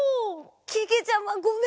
けけちゃまごめん。